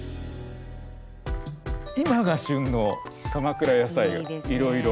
今が旬の鎌倉やさいをいろいろ。